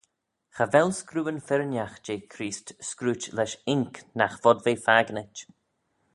Cha vel screeuyn firrinagh jeh Chreest screeut lesh ink nagh vod ve fakinit.